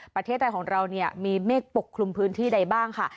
ประเทศไทยของเราเนี่ยมีเมฆปกคลุมพื้นที่ใดบ้างค่ะ